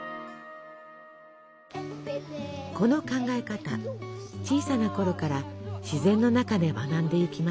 この考え方小さなころから自然の中で学んでゆきます。